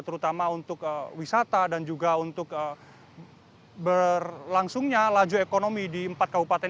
terutama untuk wisata dan juga untuk berlangsungnya laju ekonomi di empat kabupaten